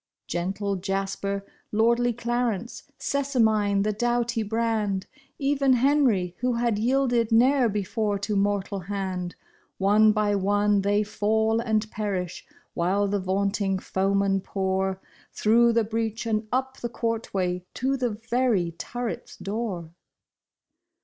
" Gentle Jasper, lordly Clarence, Sessamine the dough ty brand, Even Henri who had yielded ne'er before to mortal hand ; One by one they fall and perish, while the vaunting foemen pour Through the breach and up the courtway to the very turret's door.